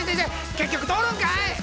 結局通るんかい！